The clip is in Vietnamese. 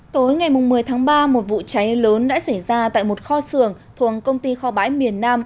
tối ngày một mươi tháng ba một vụ cháy lớn đã xảy ra tại một kho xưởng thuồng công ty kho bãi miền nam